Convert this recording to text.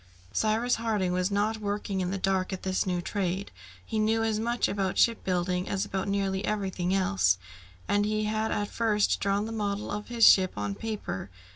Cyrus Harding was not working in the dark at this new trade. He knew as much about ship building as about nearly everything else, and he had at first drawn the model of his ship on paper.